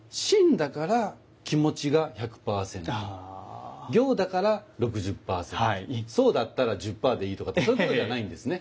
だから気持ちが１００％「行」だから６０％「草」だったら１０％でいいとかそういうことじゃないんですね。